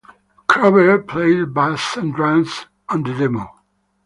Crover played bass and drums on the demo.